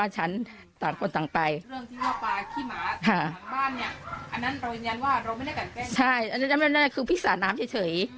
ใช่อันนั้นคือพิสาทน้ำเฉย